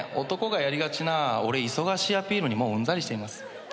男がやりがちな俺忙しいアピールにもううんざりしています。